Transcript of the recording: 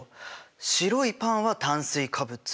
白いパンは炭水化物。